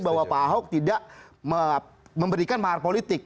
bahwa pak ahok tidak memberikan mahar politik